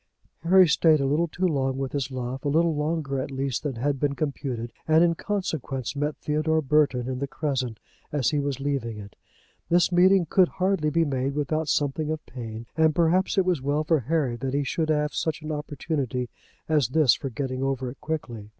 Harry stayed a little too long with his love, a little longer at least than had been computed, and in consequence met Theodore Burton in the Crescent as he was leaving it. This meeting could hardly be made without something of pain, and perhaps it was well for Harry that he should have such an opportunity as this for getting over it quickly.